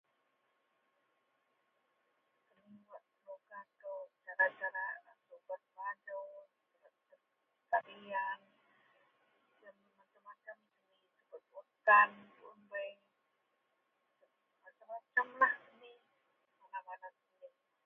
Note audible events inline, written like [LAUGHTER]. Mun wak senuka kou, cara -cata bak subet bajou, tarian, macem-macem lah, wakkan puun bei, macem-macem lah ji [UNINTELLIGIBLE]